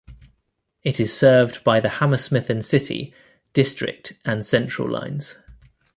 It is served by the Hammersmith and City, District and Central lines.